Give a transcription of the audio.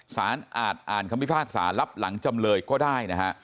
สารอาจอ่านคำพิพากษารับหลังจำเลยก็ได้นะฮะ